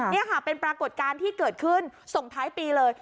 นี่ค่ะเป็นปรากฏการณ์ที่เกิดขึ้นส่งท้ายปีเลย